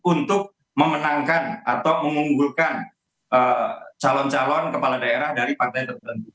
untuk memenangkan atau mengunggulkan calon calon kepala daerah dari partai tertentu